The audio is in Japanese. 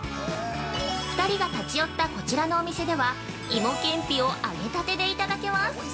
２人が立ち寄ったこちらのお店では、芋けんぴを揚げたてでいただけます。